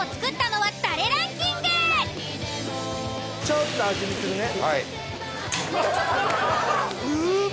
ちょっと味見するね。